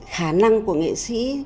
khả năng của nghệ sĩ